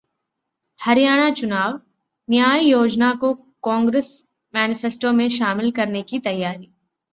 हरियाणा चुनाव: न्याय योजना को कांग्रेस मेनिफेस्टो में शामिल करने की तैयारी